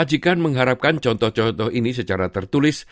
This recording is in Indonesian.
majikan mengharapkan contoh contoh ini secara tertulis